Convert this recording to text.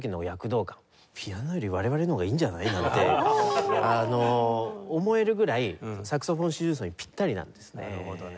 ピアノより我々の方がいいんじゃない？なんて思えるぐらいサクソフォン四重奏にピッタリなんですね。